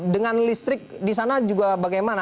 dengan listrik di sana juga bagaimana